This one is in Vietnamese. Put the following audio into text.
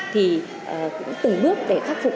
thì cũng từng bước để khắc phục